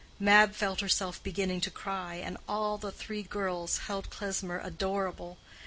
Mab felt herself beginning to cry, and all the three girls held Klesmer adorable.